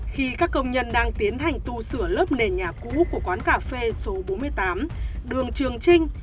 khi các công nhân đang tiến hành tu sửa lớp nền nhà cũ của quán cà phê số bốn mươi tám đường trường trinh